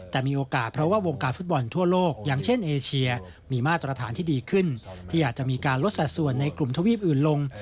แต่มีโอกาสเพราะว่าวงการฟุตบอลทั่วโลกอย่างเช่นเอเชียมีมาตรฐานที่ดีขึ้นที่อาจจะมีการลดสัดส่วนในกลุ่มทวีปอื่นลง